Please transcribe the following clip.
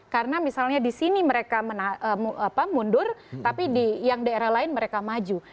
karena misalnya di sini mereka mundur tapi di yang daerah lain mereka maju